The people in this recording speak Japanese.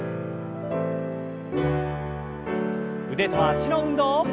腕と脚の運動。